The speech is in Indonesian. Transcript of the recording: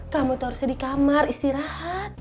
kamu itu harusnya di kamar istirahat